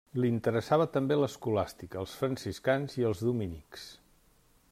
Li interessava també l'Escolàstica, els franciscans i els dominics.